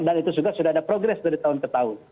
dan itu sudah ada progres dari tahun ke tahun